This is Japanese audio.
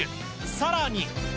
さらに。